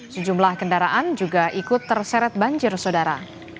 sejumlah kendaraan juga ikut terseret banjir sodara